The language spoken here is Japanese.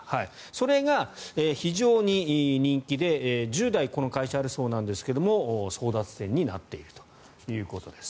それが非常に人気で１０台、この会社はあるそうですが争奪戦になっているということです。